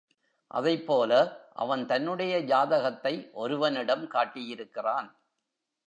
அதைப்போல அவன் தன்னுடைய ஜாதகத்தை ஒருவனிடம் காட்டியிருக்கிறான்.